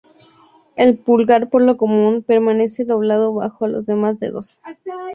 El pulgar por lo común permanece doblado bajo los demás dedos.